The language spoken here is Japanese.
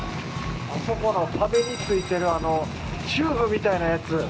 あそこの壁についてるチューブみたいなやつ